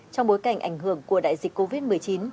trong bối cảnh ảnh hưởng của đại dịch covid một mươi chín